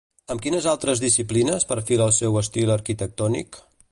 Amb quines altres disciplines perfila el seu estil arquitectònic?